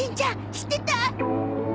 知ってた？